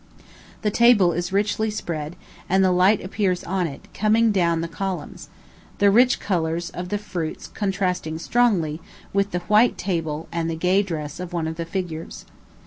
The table is richly spread, and the light appears on it, coming down the columns; the rich colors of the fruits contrasting strongly with the white table and gay dress of one of the figures.